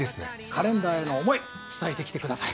カレンダーへの思い伝えてきて下さい。